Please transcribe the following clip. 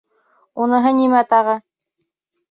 - Уныһы нимә тағы?